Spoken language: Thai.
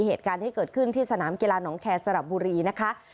เหตุการณ์ที่เกิดขึ้นที่สนามกีฬาหนองแคร์สระบุรีนะคะ